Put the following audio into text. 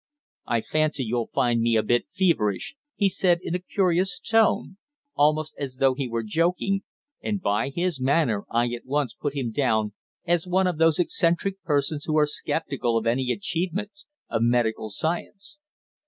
"I fancy you'll find me a bit feverish," he said in a curious tone, almost as though he were joking, and by his manner I at once put him down as one of those eccentric persons who are sceptical of any achievements of medical science.